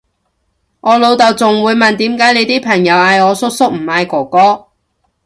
我老豆仲會問點解你啲朋友嗌我叔叔唔嗌哥哥？